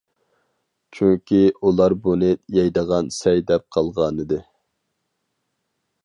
چۈنكى ئۇلار بۇنى يەيدىغان سەي دەپ قالغانىدى.